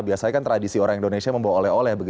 biasanya kan tradisi orang indonesia membawa oleh oleh